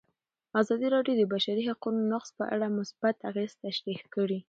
ازادي راډیو د د بشري حقونو نقض په اړه مثبت اغېزې تشریح کړي.